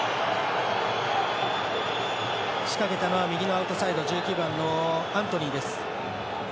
仕掛けたのは右のアウトサイド１９番のアントニーです。